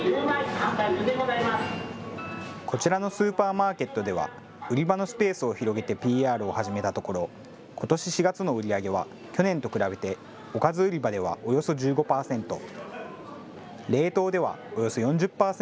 こちらのスーパーマーケットでは売り場のスペースを広げてＰＲを始めたところことし４月の売り上げは去年と比べておかず売り場ではおよそ１５％。